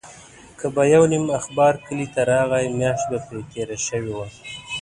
که به یو نیم اخبار کلي ته راغی، میاشت به پرې تېره شوې وه.